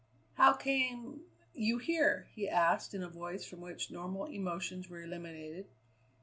"How came you here?" he asked in a voice from which normal emotions were eliminated.